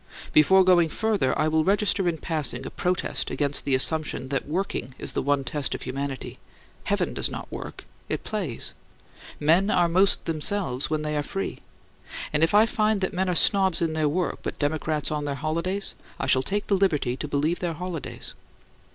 Before going further, I will register in passing a protest against the assumption that working is the one test of humanity. Heaven does not work; it plays. Men are most themselves when they are free; and if I find that men are snobs in their work but democrats on their holidays, I shall take the liberty to believe their holidays.